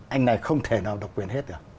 anh này không thể nào độc quyền hết được